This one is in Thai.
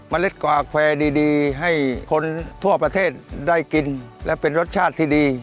เล็ดกาแฟร์ดีให้คนทั่วประเทศได้กินและเป็นรสชาติที่ดี